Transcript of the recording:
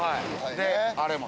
であれもね。